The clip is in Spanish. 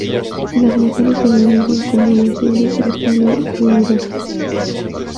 Las mujeres obedecen como los hombres a esta Ley rigurosa.